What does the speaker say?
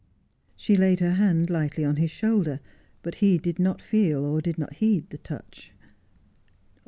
She laid her hand lightly on his shoulder, but he did not feel or did not heed the touch.